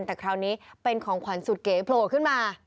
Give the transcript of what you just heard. แต่คราวนี้เป็นของขวัญสุดเก๋โผล่ขึ้นมา